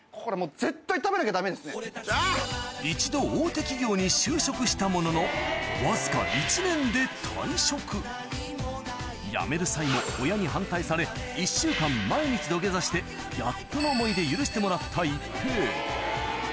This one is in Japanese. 一度したもののわずか辞める際も親に反対され１週間毎日土下座してやっとの思いで許してもらった一平